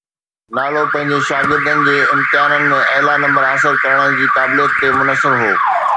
نالو پنهنجي شاگردن جي امتحانن ۾ اعليٰ نمبر حاصل ڪرڻ جي قابليت تي منحصر هو